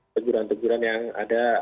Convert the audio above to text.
teguran teguran yang ada